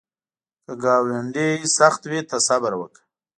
که ګاونډی سخت وي، ته صبر وکړه